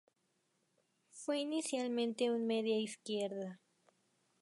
Fue inicialmente un media-izquierda.